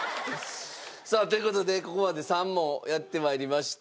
さあという事でここまで３問やって参りました。